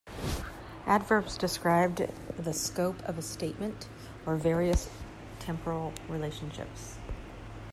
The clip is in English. Adverbs described the scope of a statement or various temporal relationships.